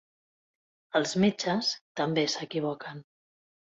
Els metges també s'equivoquen.